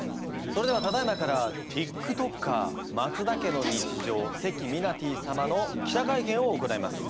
それではただいまからティックトッカーマツダ家の日常関ミナティ様の記者会見を行います。